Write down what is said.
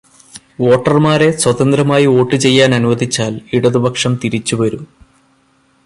വോട്ടർമാരെ സ്വതന്ത്രമായി വോട്ടുചെയ്യാൻ അനുവദിച്ചാൽ ഇടതുപക്ഷം തിരിച്ചുവരും.